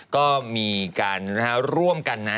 ก็มีการร่วมกันนะ